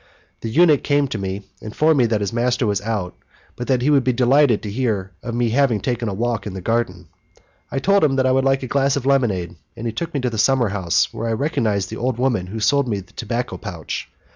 The eunuch came to me, informed me that his master was out, but that he would be delighted to hear of my having taken a walk in the garden. I told him that I would like a glass of lemonade, and he took me to the summerhouse, where I recognized the old woman who had sold me the tobacco pouch.